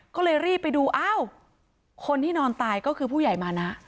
ก็เลยรีบไปดูอ้าวคนที่นอนตายก็คือผู้ใหญ่มานะ